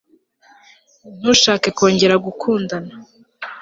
ntushaka kongera gukundana